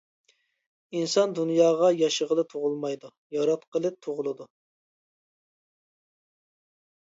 ئىنسان دۇنياغا ياشىغىلى تۇغۇلمايدۇ، ياراتقىلى تۇغۇلىدۇ.